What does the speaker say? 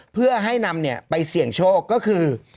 เพื่อให้นำไปเสี่ยงโชคก็คือ